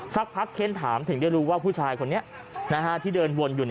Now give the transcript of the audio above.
สักพักเค้นถามถึงได้รู้ว่าผู้ชายคนนี้ที่เดินวนอยู่